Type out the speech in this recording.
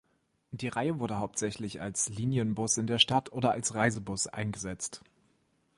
Die Reihe wurde hauptsächlich als Linienbus in der Stadt oder als Reisebus eingesetzt.